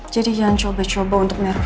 jadi jangan berusaha usaha untuk mengejar saya